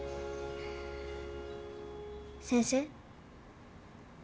先生。